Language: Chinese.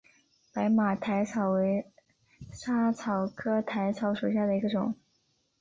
白马薹草为莎草科薹草属下的一个种。